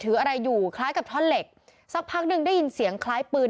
อะไรอยู่คล้ายกับท่อนเหล็กสักพักหนึ่งได้ยินเสียงคล้ายปืน